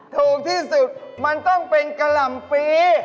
ถูกที่สุดมันต้องเป็นกะหล่ำปี